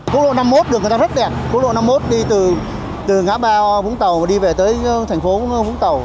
cố lộ năm mươi một đường rất đẹp cố lộ năm mươi một đi từ ngã bao vũng tàu và đi về tới thành phố vũng tàu